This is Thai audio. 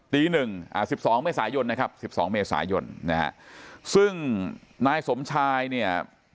๑๒เมษายนนะครับ๑๒เมษายนนะฮะซึ่งนายสมชายเนี่ย